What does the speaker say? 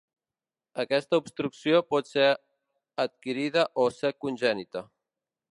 Aquesta obstrucció pot ser adquirida o ser congènita.